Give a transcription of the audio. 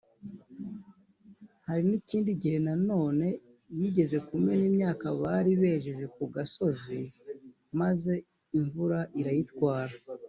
Hari n’ikindi gihe nanone yigeze kumena imyaka bari bejeje ku gasozi maze imvura irayitwara